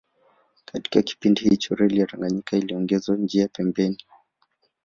Katika kipindi hicho Reli ya Tanganyika iliongezwa njia ya pembeni